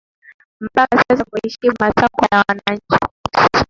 mpaka sasa kuheshimu matakwa ya wananchi